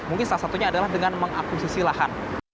mungkin salah satunya adalah dengan mengakuisisi lahan